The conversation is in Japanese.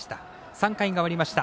３回が終わりました。